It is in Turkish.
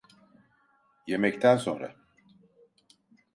Yemekten sonra.